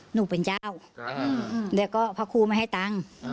หนูเป็นเจ้าแล้วก็พระครูไม่ให้ตังค์